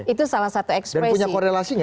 itu salah satu ekspresi